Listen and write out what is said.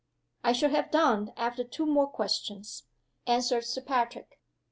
"I shall have done, after two more questions," answered Sir Patrick.